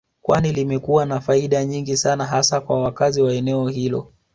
Kwani limekuwa na faida nyingi sana hasa kwa wakazi wa eneo hilo